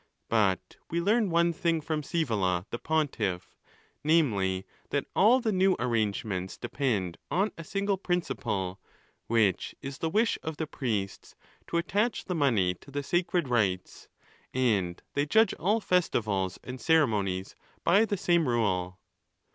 But we learn one thing from Sczevola the pontiff, namely, that all the new arrange ments depend on a single principle, which is the wish of the | priests to attach the money to the sacred rites; and they judge all festivals and ceremonies by the same rule.